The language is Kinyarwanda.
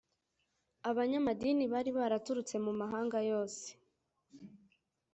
abanyamadini bari baraturutse mu mahanga yose